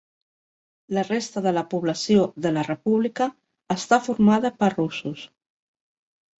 La resta de la població de la república està formada per russos.